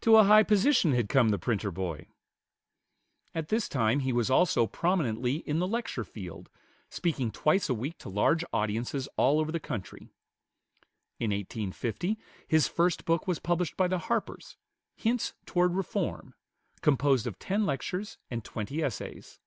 To a high position had come the printer boy. At this time he was also prominently in the lecture field, speaking twice a week to large audiences all over the country. In 1850 his first book was published by the Harpers, "Hints toward Reform," composed of ten lectures and twenty essays.